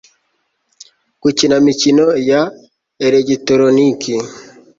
gukina imikino ya elegitoroniki